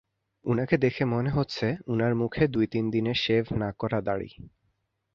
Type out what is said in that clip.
উনাকে দেখে মনে হচ্ছে, উনার মুখে দুই-তিন দিনের শেভ না করা দাঁড়ি।